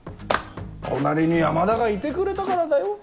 隣に山田がいてくれたからだよ。